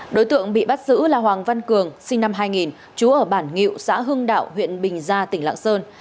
đối tượng bị bắt giữ là hoàng văn cường sinh năm hai nghìn trú ở bản ngự xã hưng đạo huyện bình gia tỉnh lạng sơn